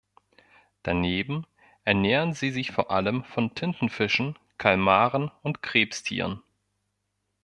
Daneben ernähren sie sich vor allem von Tintenfischen, Kalmaren und Krebstieren.